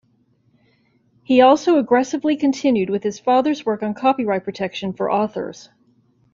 He also aggressively continued with his father's work on copyright protection for authors.